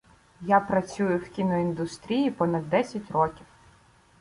Я працюю в кіноіндустрії понад десять років.